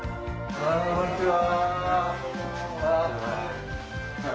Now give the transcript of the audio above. こんにちは。